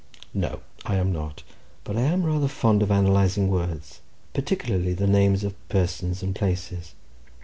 "No, I am not—but I am rather fond of analysing words, particularly the names of persons and places.